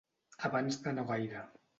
Abans de no gaire.